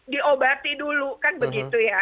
diobati dulu kan begitu ya